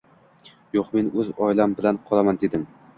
Yo`q, men o`z oilam bilan qolaman, dedim